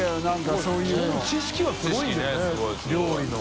知識はすごいですね料理の。